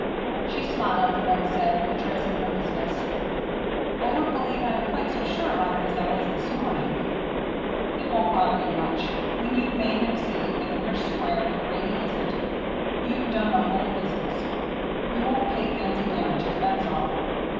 She smiled, and then said, with a trace of nervousness: "I don't believe I'm quite so sure about it as I was this morning." "It won't bother you much. When you've made him see that we're square and Grady isn't, you've done the whole business. We won't pay fancy damages, that's all."